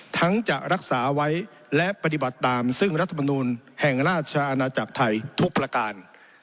จะรักษาไว้และปฏิบัติตามซึ่งรัฐมนูลแห่งราชอาณาจักรไทยทุกประการ